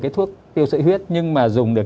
cái thuốc tiêu sợi huyết nhưng mà dùng được